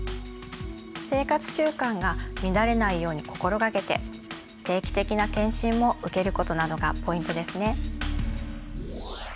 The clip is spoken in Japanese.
生活習慣が乱れないように心掛けて定期的な検診も受けることなどがポイントですね。